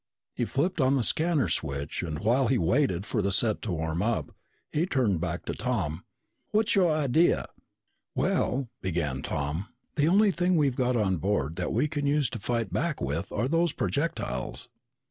He flipped on the scanner switch and while he waited for the set to warm up he turned back to Tom. "What's your idea?" "Well," began Tom, "the only thing we've got on board that we can use to fight back with are those projectiles."